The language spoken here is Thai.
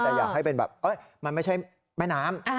แต่อยากให้เป็นแบบมันไม่ใช่แม่น้ำ